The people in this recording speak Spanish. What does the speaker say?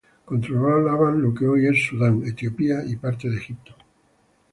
Controlaban lo que es hoy Sudán, Etiopía y parte de Egipto.